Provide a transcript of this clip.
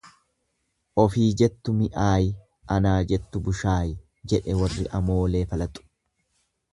Ofii jettu mi'aayi anaa jettu bushaayi jedhe warri amoolee falaxu.